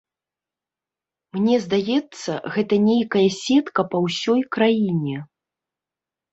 Мне здаецца, гэта нейкая сетка па ўсёй краіне.